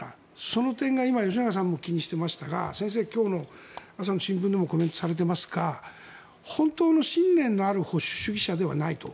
その点が今、吉永さんも気にしていましたが先生、今日の朝の新聞でもコメントされていますが本当の信念のある保守主義者ではないと。